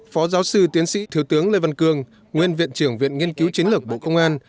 phó giáo sư tiến sĩ thứ tướng lê văn cương nguyên viện trưởng viện nghiên cứu chính lực bộ công an